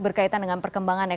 berkaitan dengan perkembangannya